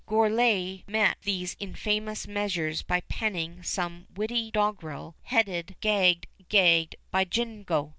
Gourlay met these infamous measures by penning some witty doggerel, headed "Gagged, gagged, by Jingo!"